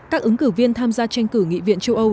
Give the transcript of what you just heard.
các ứng cử viên tham gia tranh cử nghị viện châu âu